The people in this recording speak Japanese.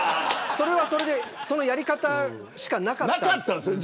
それはそれで、そのやり方しかなかったんです。